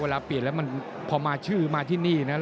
เวลาเปลี่ยนแล้วมันพอมาชื่อมาที่นี่นะ